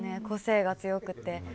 個性が強くて。